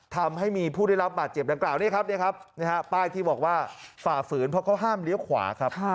ทำให้มีผู้ได้รับบาดเจ็บดังกล่าวนี่ครับป้ายที่บอกว่าฝ่าฝืนเพราะเขาห้ามเลี้ยวขวาครับ